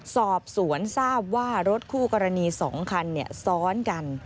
สอบสวนทราบว่ารถคู่กรณี๒คันซ้อนกัน